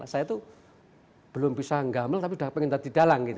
saya tuh belum bisa gamel tapi sudah pengen tadi dalang gitu